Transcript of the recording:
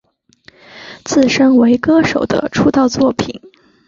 自身为歌手的出道作品。